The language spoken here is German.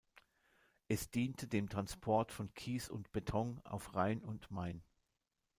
Es diente dem Transport von Kies und Beton auf Rhein und Main.